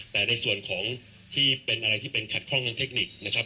แต่ในส่วนของที่เป็นอะไรที่เป็นขัดข้องทางเทคนิคนะครับ